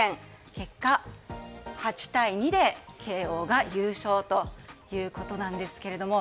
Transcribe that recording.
結果、８対２で慶應が優勝ということなんですけれども。